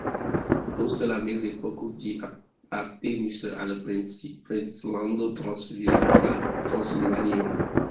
Post la mezepoko ĝi apartenis al princlando Transilvanio.